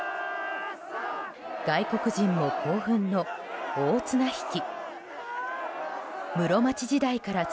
外国人も興奮の大綱引き。